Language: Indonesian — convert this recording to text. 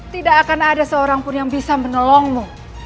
tidak akan ada seorang pun yang bisa menolongmu